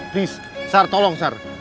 please sarah tolong sarah